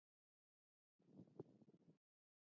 افغانستان له دښتې ډک دی.